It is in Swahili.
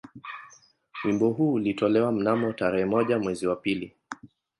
Wimbo huu ulitolewa mnamo tarehe moja mwezi wa pili